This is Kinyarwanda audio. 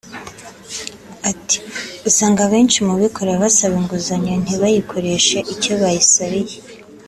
Ati “Usanga abenshi mu bikorera basaba inguzanyo ntibayikoreshe icyo bayisabiye